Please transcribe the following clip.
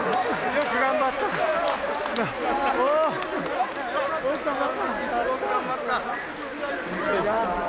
よく頑張った。